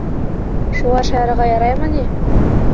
Шулай шаярырға яраймы ни?